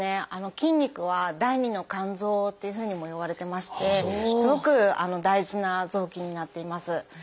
筋肉は「第二の肝臓」っていうふうにもいわれてましてすごく大事な臓器になっています。